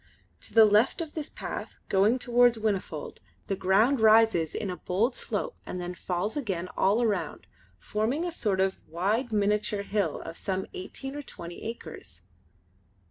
To the left of this path, going towards Whinnyfold, the ground rises in a bold slope and then falls again all round, forming a sort of wide miniature hill of some eighteen or twenty acres.